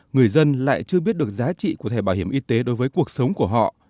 người dân lại chưa biết được giá trị của thẻ bảo hiểm y tế đối với cuộc sống của họ